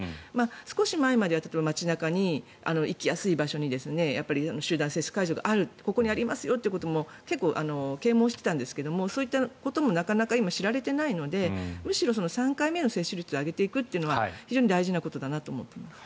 少し前までは街中の行きやすい場所に集団接種会場があるここにありますよみたいなことも結構、啓もうしていたんですがそういうこともなかなか今知られていないのでむしろ３回目の接種率を上げていくのは非常に大事なことだと思っています。